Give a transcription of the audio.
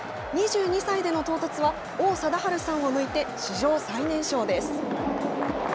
２２歳での到達は、王貞治さんを抜いて、史上最年少です。